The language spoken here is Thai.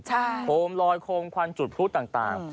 โคมลอยโคมควันจุดพลุต่าง